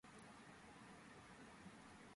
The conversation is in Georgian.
გავრცელებულია მთის შუა სარტყლამდე.